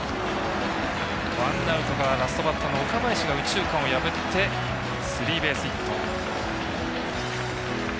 ワンアウトからラストバッターの岡林が右中間を破ってスリーベースヒット。